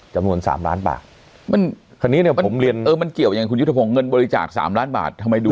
จำนวนสามล้านบาทมันคราวนี้เนี่ยผมเรียนเออมันเกี่ยวอย่างคุณยุทธพงศ์เงินบริจาคสามล้านบาททำไมดู